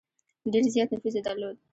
ډېر زیات نفوذ یې درلود.